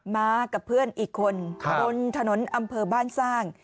มากับเพื่อนอีกคนบนถนนอำเภอบ้านสร้าง